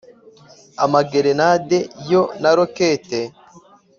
amagerenade yo na rokete